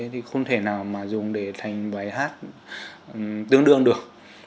thì không thể nào mà dùng để thành bài hát tương đương được